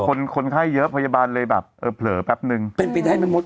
คนคนไข้เยอะพยาบาลเลยแบบเออเผลอแป๊บนึงเป็นไปได้ไหมมด